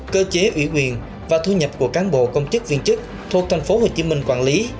cơ chế ủy quyền và thu nhập của cán bộ công chức viên chức thuộc thành phố hồ chí minh quản lý